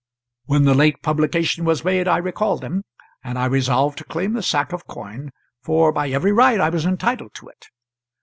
] When the late publication was made I recalled them, and I resolved to claim the sack of coin, for by every right I was entitled to it.